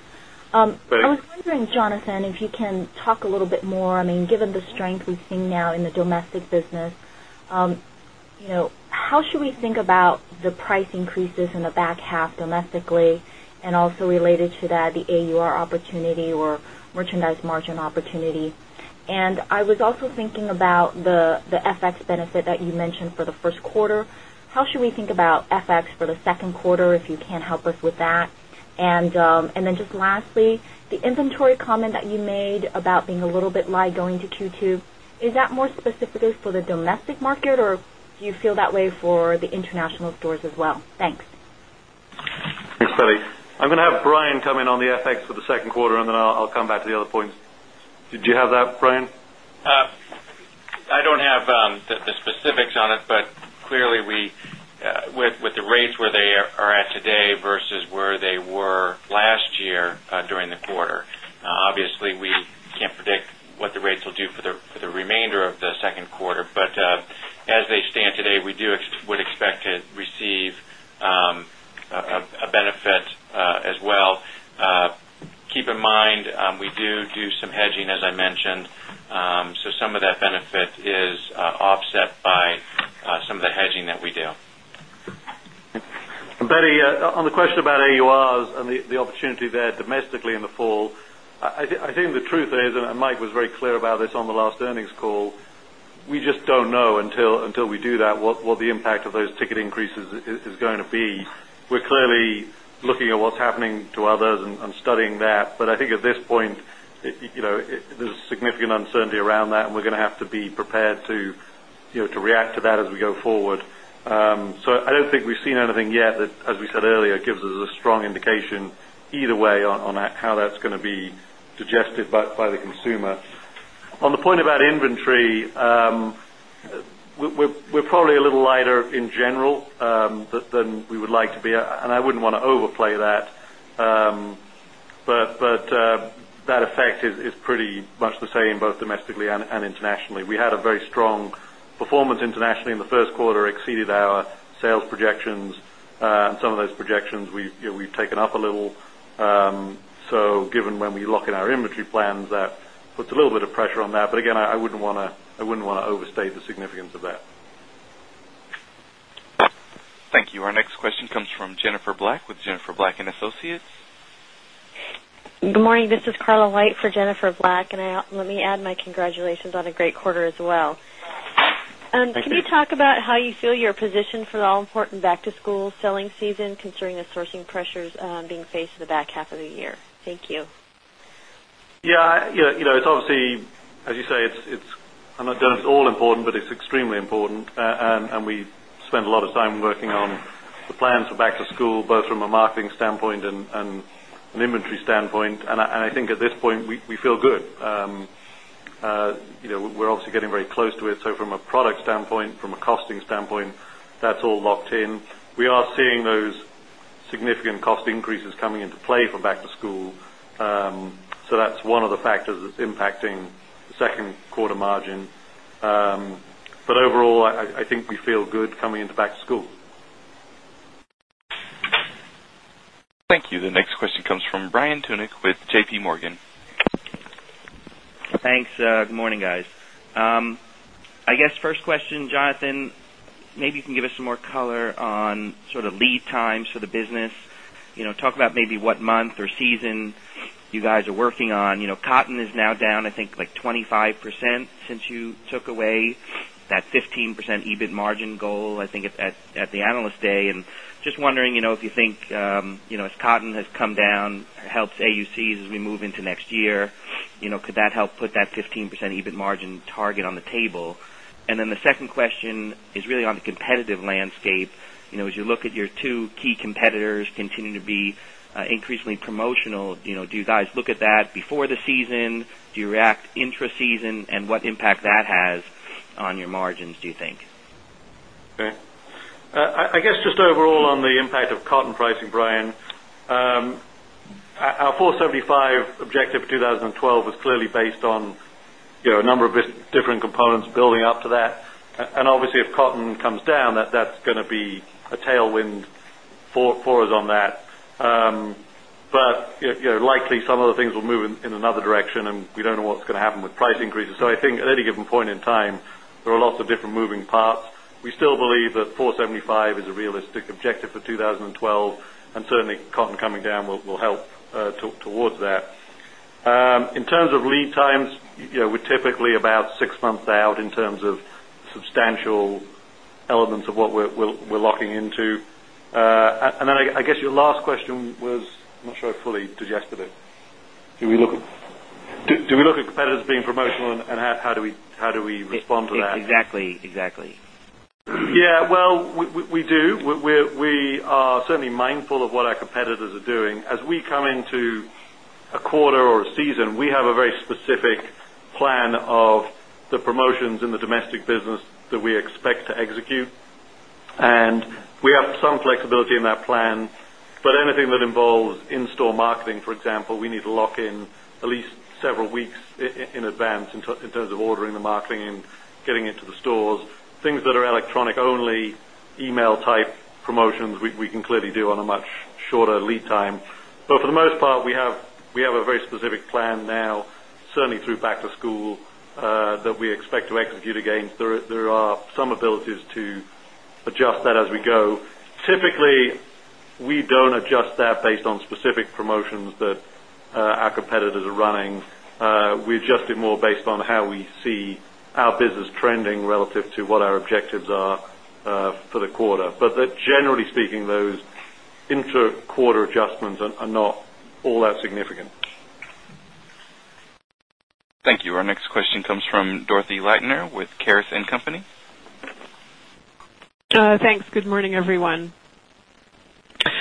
Thanks. I was wondering, Jonathan, if you can talk a little bit more. Given the strength we've seen now in the domestic business, how should we think about the price increases in the back half domestically and also related to that, the AUR opportunity or merchandise margin opportunity? I was also thinking about the FX benefit that you mentioned for the first quarter. How should we think about FX for the second quarter, if you can help us with that? Lastly, the inventory comment that you made about being a little bit light going to Q2, is that more specifically for the domestic market, or do you feel that way for the international stores as well? Thanks. Thanks, Stacey. I'm going to have Brian come in on the FX for the second quarter, and then I'll come back to the other points. Did you have that, Brian? I don't have the specifics on it, but clearly, with the rates where they are at today versus where they were last year during the quarter, we can't predict what the rates will do for the remainder of the second quarter. As they stand today, we would expect to receive a benefit as well. Keep in mind, we do some hedging, as I mentioned. Some of that benefit is offset by some of the hedging that we do. Betty, on the question about AURs and the opportunity there domestically in the fall, I think the truth is, and Mike was very clear about this on the last earnings call, we just don't know until we do that what the impact of those ticket increases is going to be. We're clearly looking at what's happening to others and studying that. I think at this point, there's significant uncertainty around that, and we're going to have to be prepared to react to that as we go forward. I don't think we've seen anything yet that, as we said earlier, gives us a strong indication either way on how that's going to be digested by the consumer. On the point about inventory, we're probably a little lighter in general than we would like to be. I wouldn't want to overplay that. That effect is pretty much the same both domestically and internationally. We had a very strong performance internationally in the first quarter, exceeded our sales projections, and some of those projections we've taken up a little. Given when we lock in our inventory plans, that puts a little bit of pressure on that. I wouldn't want to overstate the significance of that. Thank you. Our next question comes from Jennifer Black with Jennifer Black and Associates. Good morning. This is Carla White for Jennifer Black. Let me add my congratulations on a great quarter as well. Thank you. Can you talk about how you feel your position for the all-important back-to-school selling season, considering the sourcing pressures being faced in the back half of the year? Thank you. Yeah. You know, it's obviously, as you say, it's not all important, but it's extremely important. We spent a lot of time working on the plans for back-to-school, both from a marketing standpoint and an inventory standpoint. I think at this point, we feel good. We're obviously getting very close to it. From a product standpoint, from a costing standpoint, that's all locked in. We are seeing those significant cost increases coming into play for back-to-school. That's one of the factors that's impacting the second quarter margin. Overall, I think we feel good coming into back-to-school. Thank you. The next question comes from Brian Tunick with JPMorgan Chase & Co. Thanks. Good morning, guys. I guess first question, Jonathan, maybe you can give us some more color on sort of lead times for the business. You know, talk about maybe what month or season you guys are working on. You know, cotton is now down, I think, like 25% since you took away that 15% EBIT margin goal, I think, at the analyst day. Just wondering, you know, if you think, you know, as cotton has come down, it helps AUCs as we move into next year. You know, could that help put that 15% EBIT margin target on the table? The second question is really on the competitive landscape. You know, as you look at your two key competitors continuing to be increasingly promotional, do you guys look at that before the season? Do you react intra-season? What impact does that have on your margins, do you think? Okay. I guess just overall on the impact of cotton pricing, Brian, our $4.75 objective for 2012 was clearly based on a number of different components building up to that. Obviously, if cotton comes down, that's going to be a tailwind for us on that. Likely, some of the things will move in another direction, and we don't know what's going to happen with price increases. I think at any given point in time, there are lots of different moving parts. We still believe that $4.75 is a realistic objective for 2012. Certainly, cotton coming down will help towards that. In terms of lead times, we're typically about six months out in terms of substantial elements of what we're locking into. I guess your last question was, I'm not sure I fully digested it. Do we look at competitors being promotional, and how do we respond to that? Exactly, exactly. We are certainly mindful of what our competitors are doing. As we come into a quarter or a season, we have a very specific plan of the promotions in the domestic business that we expect to execute. We have some flexibility in that plan. Anything that involves in-store marketing, for example, we need to lock in at least several weeks in advance in terms of ordering the marketing and getting into the stores. Things that are electronic only, email-type promotions, we can clearly do on a much shorter lead time. For the most part, we have a very specific plan now, certainly through back-to-school, that we expect to execute against. There are some abilities to adjust that as we go. Typically, we don't adjust that based on specific promotions that our competitors are running. We adjust it more based on how we see our business trending relative to what our objectives are for the quarter. Generally speaking, those intra-quarter adjustments are not all that significant. Thank you. Our next question comes from Dorothy Letner with Caris & Company. Thanks. Good morning, everyone.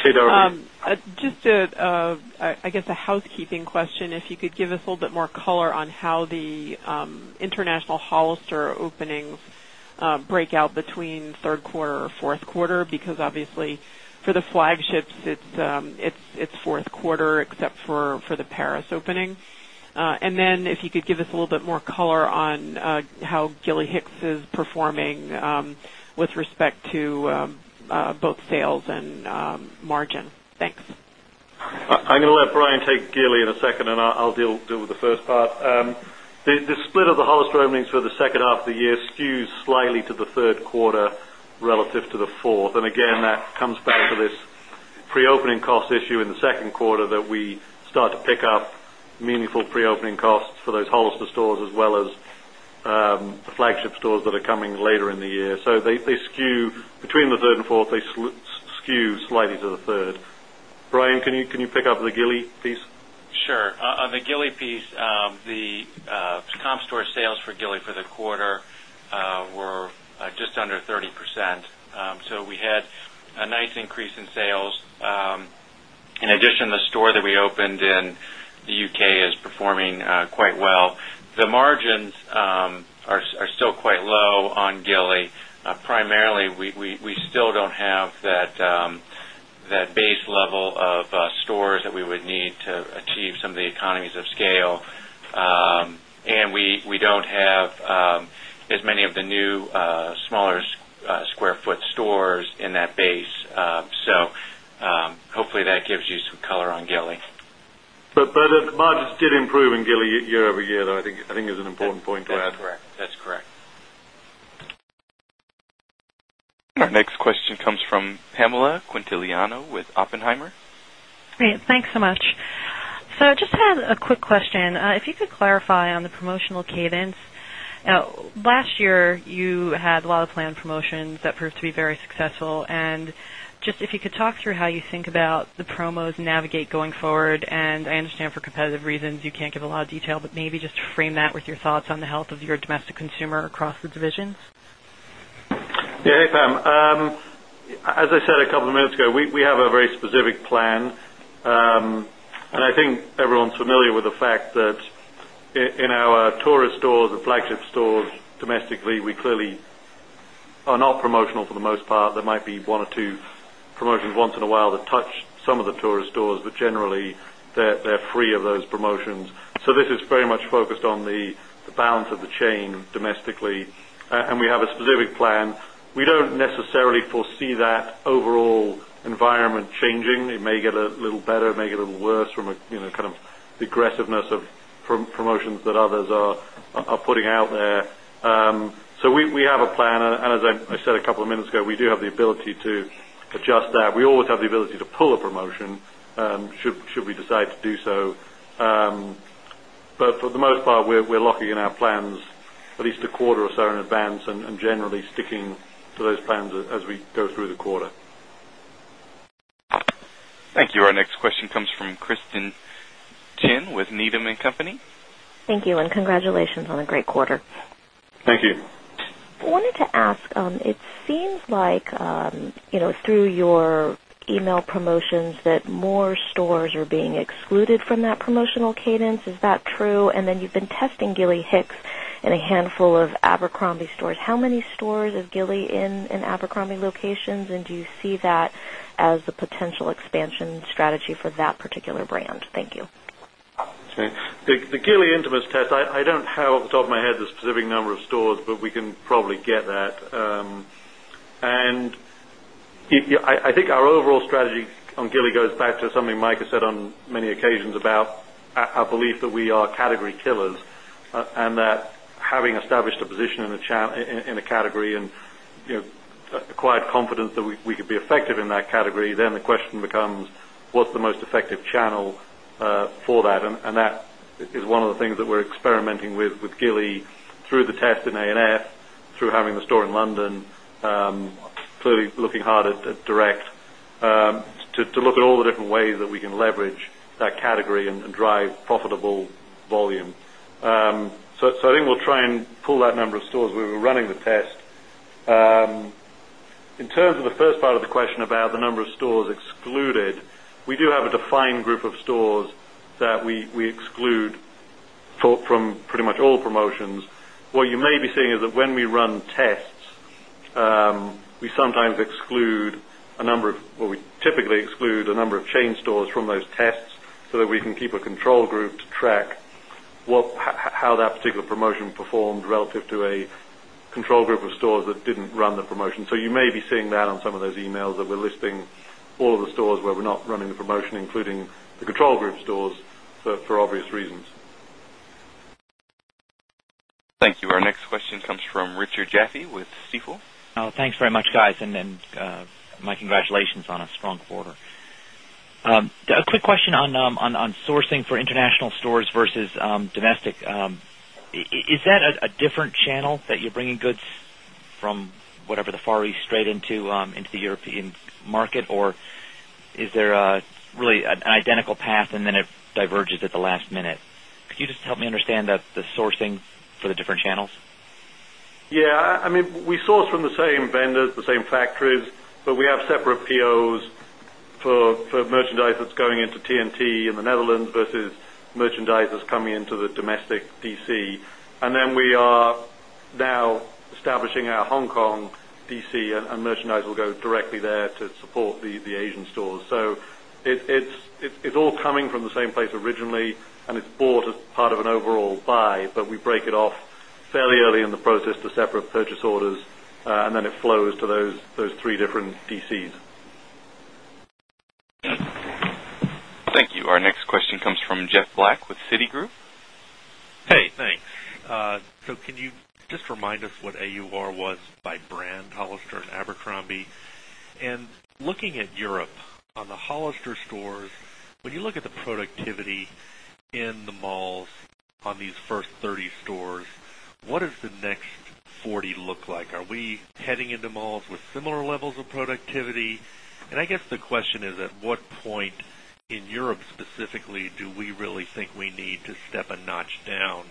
Hey, Dorothy. I guess, a housekeeping question. If you could give us a little bit more color on how the international Hollister openings break out between third quarter or fourth quarter because obviously, for the flagships, it's fourth quarter except for the Paris opening. If you could give us a little bit more color on how Gilly Hicks is performing with respect to both sales and margin. Thanks. I'm going to let Brian take Gilly in a second, and I'll deal with the first part. The split of the Hollister openings for the second half of the year skews slightly to the third quarter relative to the fourth. That comes back to this pre-opening cost issue in the second quarter that we start to pick up meaningful pre-opening costs for those Hollister stores as well as the flagship stores that are coming later in the year. They skew between the third and fourth. They skew slightly to the third. Brian, can you pick up the Gilly piece? Sure. On the Gilly piece, the comp store sales for Gilly for the quarter were just under 30%. We had a nice increase in sales. In addition, the store that we opened in the UK is performing quite well. The margins are still quite low on Gilly. Primarily, we still don't have that base level of stores that we would need to achieve some of the economies of scale. We don't have as many of the new smaller square foot stores in that base. Hopefully, that gives you some color on Gilly. The margins did improve in Gilly Hicks year over year, though, I think is an important point to add. That's correct. That's correct. Our next question comes from Pamela Quintiliano with Oppenheimer. Thanks so much. I just had a quick question. If you could clarify on the promotional cadence. Last year, you had a lot of planned promotions that proved to be very successful. If you could talk through how you think about the promos navigate going forward. I understand for competitive reasons, you can't give a lot of detail, but maybe just frame that with your thoughts on the health of your domestic consumer across the divisions. Yeah. Hey, Pam. As I said a couple of minutes ago, we have a very specific plan. I think everyone's familiar with the fact that in our tourist stores and flagship stores domestically, we clearly are not promotional for the most part. There might be one or two promotions once in a while that touch some of the tourist stores, but generally, they're free of those promotions. This is very much focused on the balance of the chain domestically. We have a specific plan. We don't necessarily foresee that overall environment changing. It may get a little better, may get a little worse from the aggressiveness of promotions that others are putting out there. We have a plan. As I said a couple of minutes ago, we do have the ability to adjust that. We always have the ability to pull a promotion should we decide to do so. For the most part, we're locking in our plans at least a quarter or so in advance and generally sticking to those plans as we go through the quarter. Thank you. Our next question comes from [Kirsten Tin] with Needham & Company. Thank you, and congratulations on a great quarter. Thank you. I wanted to ask, it seems like through your email promotions that more stores are being excluded from that promotional cadence. Is that true? You've been testing Gilly Hicks in a handful of Abercrombie stores. How many stores is Gilly in in Abercrombie locations, and do you see that as a potential expansion strategy for that particular brand? Thank you. Okay. The Gilly Hicks Intimist test, I don't have off the top of my head the specific number of stores, but we can probably get that. I think our overall strategy on Gilly Hicks goes back to something Mike has said on many occasions about our belief that we are category killers and that having established a position in a category and acquired confidence that we could be effective in that category, the question becomes, what's the most effective channel for that? That is one of the things that we're experimenting with with Gilly Hicks through the test in Abercrombie & Fitch, through having the store in London, clearly looking hard at Direct to look at all the different ways that we can leverage that category and drive profitable volume. I think we'll try and pull that number of stores where we're running the test. In terms of the first part of the question about the number of stores excluded, we do have a defined group of stores that we exclude from pretty much all promotions. What you may be seeing is that when we run tests, we sometimes exclude a number of, well, we typically exclude a number of chain stores from those tests so that we can keep a control group to track how that particular promotion performed relative to a control group of stores that didn't run the promotion. You may be seeing that on some of those emails that we're listing all of the stores where we're not running the promotion, including the control group stores for obvious reasons. Thank you. Our next question comes from Richard Jaffe with Stifel. Thanks very much, guys. My congratulations on a strong quarter. A quick question on sourcing for international stores versus domestic. Is that a different channel that you're bringing goods from, whatever, the Far East straight into the European market, or is there really an identical path and then it diverges at the last minute? Could you just help me understand the sourcing for the different channels? Yeah. I mean, we source from the same vendors, the same factories, but we have separate POs for merchandise that's going into TNT in the Netherlands versus merchandise that's coming into the domestic DC. We are now establishing our Hong Kong DC, and merchandise will go directly there to support the Asian stores. It's all coming from the same place originally, and it's bought as part of an overall buy, but we break it off fairly early in the process to separate purchase orders, and then it flows to those three different DCs. Thank you. Our next question comes from Jeff Black with Citigroup. Hey, thanks. Can you just remind us what AUR was by brand, Hollister and Abercrombie & Fitch? Looking at Europe on the Hollister stores, when you look at the productivity in the malls on these first 30 stores, what does the next 40 look like? Are we heading into malls with similar levels of productivity? I guess the question is, at what point in Europe specifically do we really think we need to step a notch down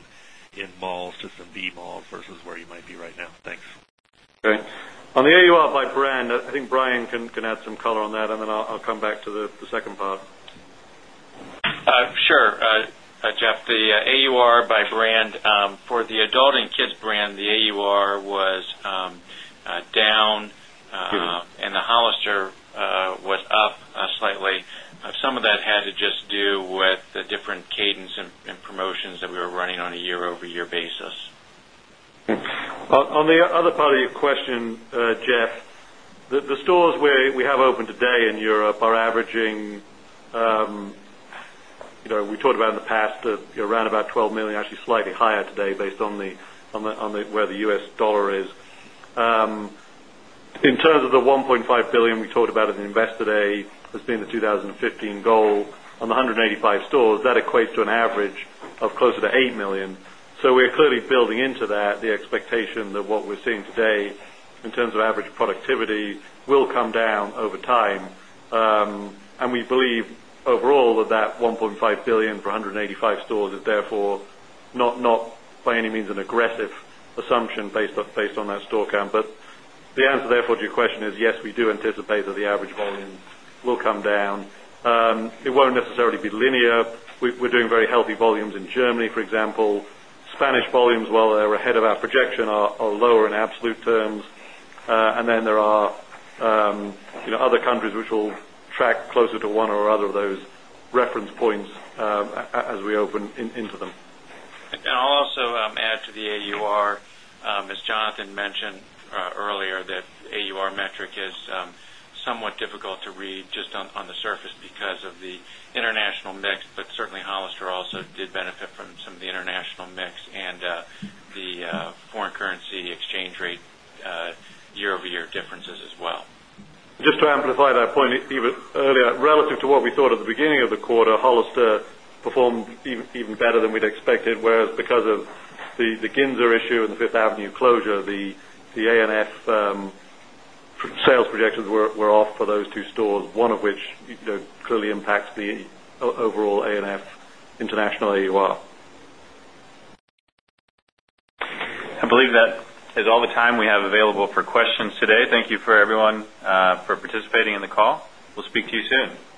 in malls to some B malls versus where you might be right now? Thanks. Okay. On the AUR by brand, I think Brian can add some color on that, and then I'll come back to the second part. Sure. Jeff, the AUR by brand, for the adult and kids brand, the AUR was down, and the Hollister was up slightly. Some of that had to just do with the different cadence and promotions that we were running on a year-over-year basis. Okay. On the other part of your question, Jeff, the stores we have open today in Europe are averaging, you know, we talked about in the past, around about $12 million, actually slightly higher today based on where the U.S. dollar is. In terms of the $1.5 billion we talked about in Investor Day, that's been the 2015 goal, on the 185 stores, that equates to an average of closer to $8 million. We're clearly building into that the expectation that what we're seeing today in terms of average productivity will come down over time. We believe overall that the $1.5 billion for 185 stores is therefore not by any means an aggressive assumption based on that store count. The answer therefore to your question is, yes, we do anticipate that the average volumes will come down. It won't necessarily be linear. We're doing very healthy volumes in Germany, for example. Spanish volumes, while they're ahead of our projection, are lower in absolute terms. There are other countries which will track closer to one or other of those reference points as we open into them. I'll also add to the AUR, as Jonathan mentioned earlier, that AUR metric is somewhat difficult to read just on the surface because of the international mix. Certainly, Hollister also did benefit from some of the international mix and the foreign currency exchange rate year-over-year differences as well. Just to amplify that point, even earlier, relative to what we thought at the beginning of the quarter, Hollister performed even better than we'd expected. Whereas, because of the Ginza issue and the Fifth Avenue closure, the Abercrombie & Fitch sales projections were off for those two stores, one of which clearly impacts the overall Abercrombie & Fitch international AUR. I believe that is all the time we have available for questions today. Thank you everyone for participating in the call. We'll speak to you soon.